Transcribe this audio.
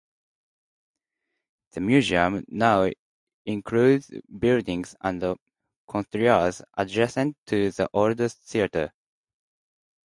The museum now includes buildings and courtyards adjacent to the old theatre.